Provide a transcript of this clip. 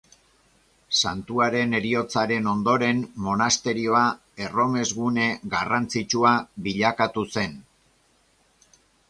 Santuaren heriotzaren ondoren monasterioa erromes-gune garrantzitsua bilakatu zen.